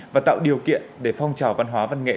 và tạo điều kiện để phong trào văn hóa văn nghệ